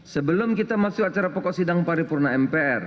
sebelum kita masuk acara pokok sidang paripurna mpr